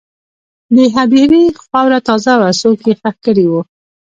د هدیرې خاوره تازه وه، څوک یې ښخ کړي وو.